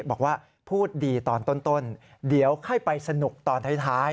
บอกว่าพูดดีตอนต้นเดี๋ยวค่อยไปสนุกตอนท้าย